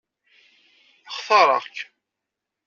Xtareɣ-k.